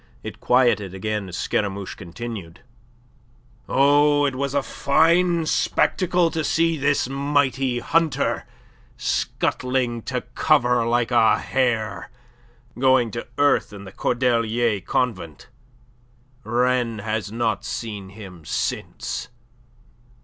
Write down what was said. It quieted again as Scaramouche continued: "Oh, it was a fine spectacle to see this mighty hunter scuttling to cover like a hare, going to earth in the Cordelier Convent. Rennes has not seen him since.